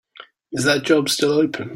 Is that job still open?